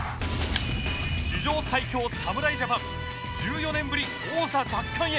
史上最強侍ジャパン１４年ぶり王座奪還へ。